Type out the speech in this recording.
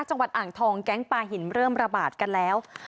จังหวัดอ่างทองแก๊งปลาหินเริ่มระบาดกันแล้ว